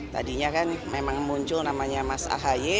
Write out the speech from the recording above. tadinya kan memang muncul namanya mas ahy